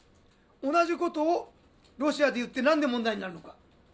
同じことをロシアで言ってなんで問題になるのか。